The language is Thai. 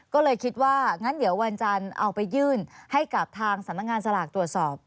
ก็เลยคิดว่างั้นเดี๋ยววันจันทร์เอาไปยื่นให้กับทางสำนักงานสลากตรวจสอบ